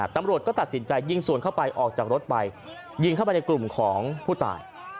ตำรวจก็ตัดสินใจยิงสวนเข้าไปออกจากรถไปยิงเข้าไปในกลุ่มของผู้ตาย